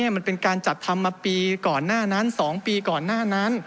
มันเป็นการจัดทำมาปีก่อนหน้านั้น๒ปีก่อนหน้านั้น